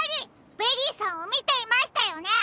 ベリーさんをみていましたよね！